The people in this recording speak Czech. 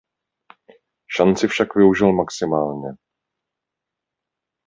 Šanci však využil maximálně.